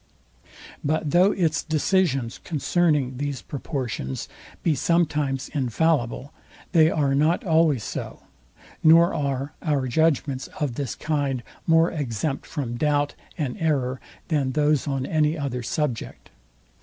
But though its decisions concerning these proportions be sometimes infallible, they are not always so; nor are our judgments of this kind more exempt from doubt and error than those on any other subject.